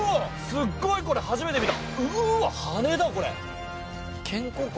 すっごい、初めて見た！